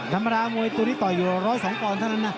ธรรมดามวยตัวนี้ต่อยอยู่๑๐๒ปอนด์เท่านั้นนะ